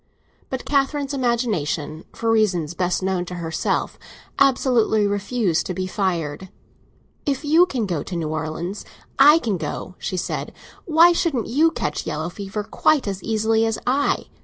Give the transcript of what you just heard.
But Catherine's imagination, for reasons best known to herself, absolutely refused to be fired. "If you can go to New Orleans, I can go," she said. "Why shouldn't you catch yellow fever quite as easily as I?